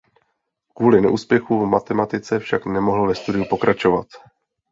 Kvůli neúspěchu v matematice však nemohl ve studiu pokračovat.